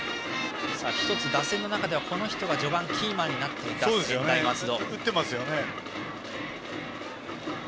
１つ打線の中では序盤キーマンになっていた専大松戸。